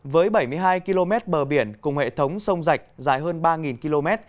với bảy mươi hai km bờ biển cùng hệ thống sông rạch dài hơn ba km